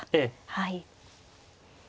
はい。